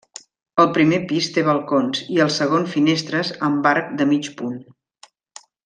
Al primer pis té balcons i al segon finestres amb arc de mig punt.